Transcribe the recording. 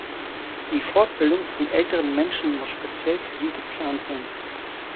Die Fortbildung von älteren Menschen muss speziell für sie geplant werden.